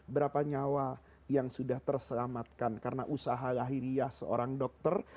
berapa nyawa yang sudah terselamatkan karena usaha lahiriah seorang dokter